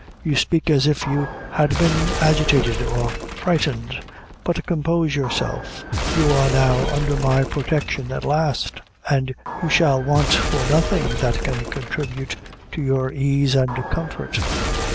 "You speak as if you had been agitated or frightened; but compose yourself, you are now under my protection at last, and you shall want for nothing that can contribute to your ease and comfort.